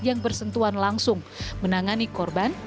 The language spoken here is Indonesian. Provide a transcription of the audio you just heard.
yang bersentuhan langsung menangani korban